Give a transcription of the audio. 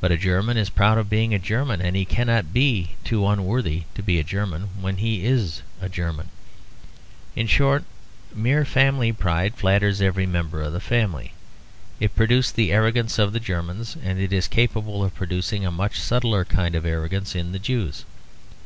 But a German is proud of being a German; and he cannot be too unworthy to be a German when he is a German. In short, mere family pride flatters every member of the family; it produced the arrogance of the Germans, and it is capable of producing a much subtler kind of arrogance in the Jews.